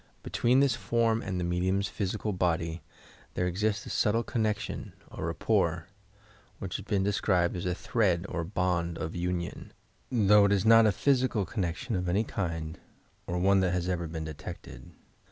Between this form and the medium's physical body there exists a subtle connection or "rapport" which has been de scribed as a thread or bond of union, though it is not a physical connection of any kind or one that has ever been detected.